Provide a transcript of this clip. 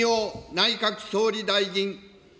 内閣総理大臣。